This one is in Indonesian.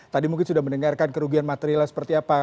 tadi mungkin sudah mendengarkan kerugian material seperti apa